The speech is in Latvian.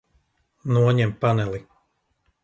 Noņem paneli.